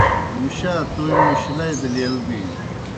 مُشا تومیْ مُشلئی دہ لیل بِینوْ۔